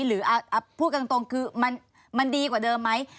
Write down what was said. หรือพูดกันตรงคือมันดีกว่าเดิมไหม